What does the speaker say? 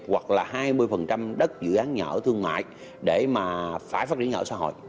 hoặc là hai mươi đất dự án nhà ở thương mại để mà phải phát triển nhà ở xã hội